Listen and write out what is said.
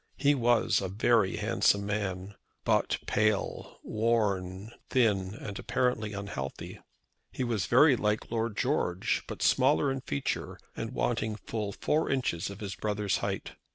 He was a very handsome man, but pale, worn, thin, and apparently unhealthy. He was very like Lord George, but smaller in feature, and wanting full four inches of his brother's height.